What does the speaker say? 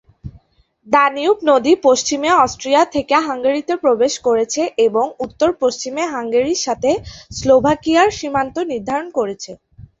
Danube নদী পশ্চিমে Austria থেকে হাঙ্গেরিতে প্রবেশ করেছে এবং উত্তর-পশ্চিমে হাঙ্গেরির সাথে স্লোভাকিয়ার সীমান্ত নির্ধারণ করেছে।